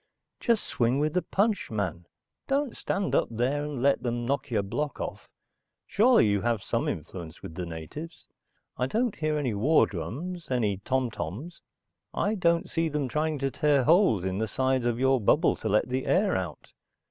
Just swing with the punch, man. Don't stand up and let 'em knock your block off. Surely you have some influence with the natives. I don't hear any war drums, any tom toms. I don't see them trying to tear holes in the sides of your bubble to let the air out.